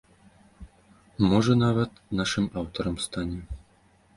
Можа, нават нашым аўтарам стане.